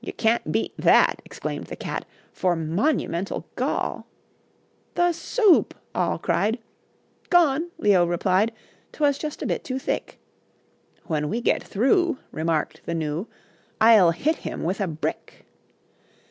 "You can't beat that," Exclaimed the Cat, "For monumental gall." "The soup," all cried. "Gone," Leo replied, "'Twas just a bit too thick." "When we get through," Remarked the Gnu, "I'll hit him with a brick."